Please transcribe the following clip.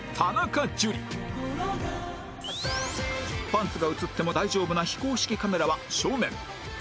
パンツが映っても大丈夫な非公式カメラは正面